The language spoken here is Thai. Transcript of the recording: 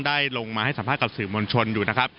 ได้ลงมาให้สัมภาษณ์กับสื่อมวลชนอยู่นะครับ